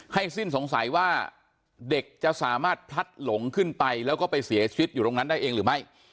สิ้นสงสัยว่าเด็กจะสามารถพลัดหลงขึ้นไปแล้วก็ไปเสียชีวิตอยู่ตรงนั้นได้เองหรือไม่